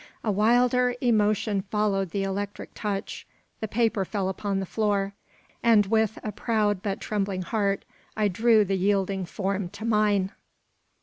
A wilder emotion followed the electric touch: the paper fell upon the floor; and with a proud but trembling heart I drew the yielding form to mine!